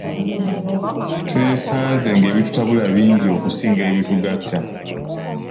Twesanze ng'ebitutabula bingi okusinga ebitugatta.